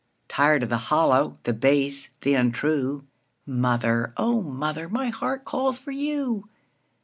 Tired of the hollow, the base, the untrue, Mother, O mother, my heart calls for you!